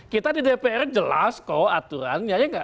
kita di dpr jelas kok aturannya